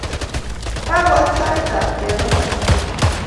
Kakoit sait ap kepa kanisa